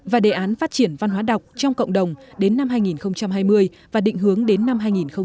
và đề án phát triển văn hóa đọc trong cộng đồng đến năm hai nghìn hai mươi và định hướng đến năm hai nghìn ba mươi